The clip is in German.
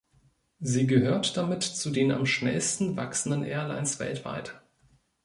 Sie gehört damit zu den am schnellsten wachsenden Airlines weltweit.